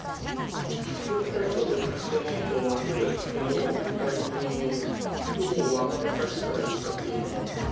打った人と打っていない人を分けるっていっても、具体的にどう分かれさせたらいいかっていうのも。